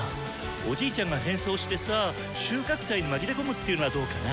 おじいちゃんが変装してさあ収穫祭に紛れ込むっていうのはどうかな？